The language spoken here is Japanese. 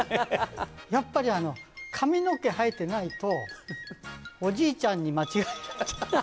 やっぱり、髪の毛生えてないと、おじいちゃんに間違えられちゃう。